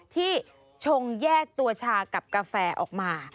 ชงแยกตัวชากับกาแฟออกมา